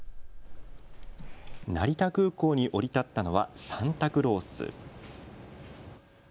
成田空港に降り立ったのはサンタクロース。